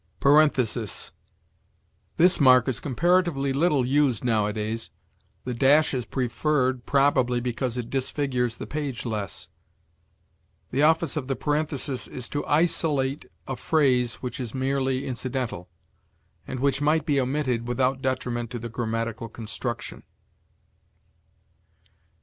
PARENTHESIS. This mark is comparatively little used nowadays. The dash is preferred, probably because it disfigures the page less. The office of the parenthesis is to isolate a phrase which is merely incidental, and which might be omitted without detriment to the grammatical construction.